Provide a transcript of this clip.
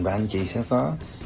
và anh chị sẽ có